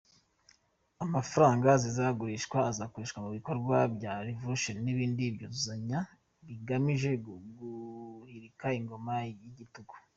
Amafaranga zizagurishwa azakoreshwa mubikorwa bya Révolution n’ibindi byuzuzanya bigamije guhirika ingoma y’igitugu.